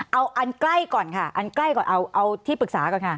เอาอันใกล้ก่อนค่ะเอาที่ปรึกษาก่อนค่ะ